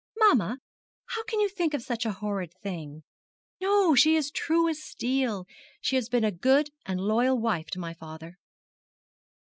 'Mamma! How can you think of such a horrid thing? No, she is as true as steel; she has been a good and loyal wife to my father.'